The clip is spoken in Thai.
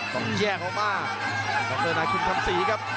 ต้องแยกออกมาดรนายคิมคำศรีครับ